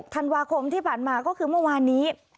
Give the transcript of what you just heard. ธันวาคมที่ผ่านมาก็คือเมื่อวานนี้